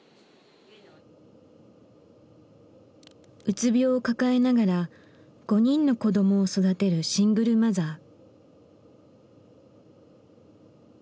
うつ病を抱えながら５人の子どもを育てるシングルマザー。